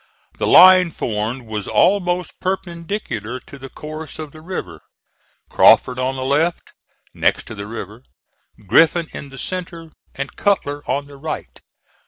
The line formed was almost perpendicular to the course of the river Crawford on the left, next to the river, Griffin in the centre, and Cutler on the right.